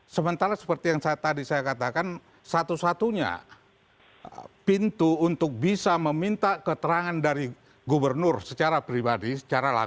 sementara seperti yang tadi saya katakan satu satunya pintu untuk bisa meminta keterangan dari gubernur secara pribadi secara langsung